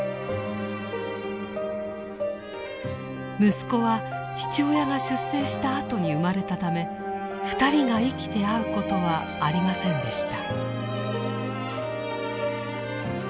息子は父親が出征したあとに生まれたため２人が生きて会うことはありませんでした。